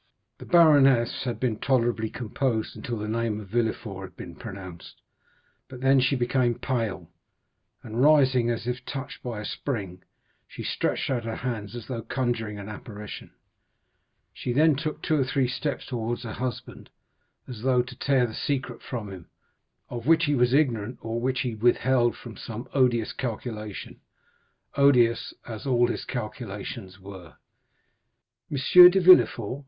The baroness had been tolerably composed until the name of Villefort had been pronounced; but then she became pale, and, rising, as if touched by a spring, she stretched out her hands as though conjuring an apparition; she then took two or three steps towards her husband, as though to tear the secret from him, of which he was ignorant, or which he withheld from some odious calculation,—odious, as all his calculations were. "M. de Villefort!